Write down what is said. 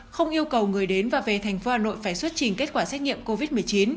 không yêu cầu người đến và về thành phố hà nội phải xuất trình kết quả xét nghiệm covid một mươi chín